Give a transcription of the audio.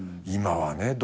今はね